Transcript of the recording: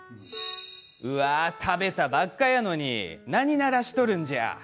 うわあ食べたばっかやのに何鳴らしとるんじゃ！